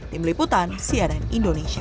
tim liputan cnn indonesia